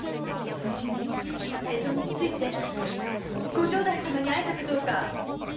無事に江戸へ着いてご城代様に会えたかどうかあたし心配で。